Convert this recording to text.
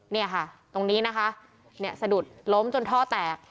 เนี่ยค่ะตรงนี้นะคะเนี่ยสะดุดล้มจนท่อแตก